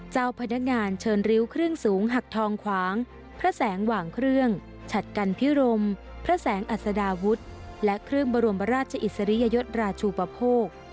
เจ้าพนักงานเชิญริ้วเครื่องสูงหักทองขวางพระแสงหว่างเครื่องฉัดกันพิรมพระแสงอัศดาวุฒิและเครื่องบรมราชอิสริยยศราชูปโภค